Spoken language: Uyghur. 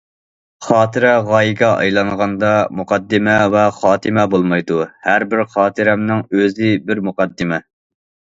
خاتىرە غايىگە ئايلانغاندا، مۇقەددىمە ۋە خاتىمە بولمايدۇ، ھەر بىر خاتىرەمنىڭ ئۆزى بىر مۇقەددىمە.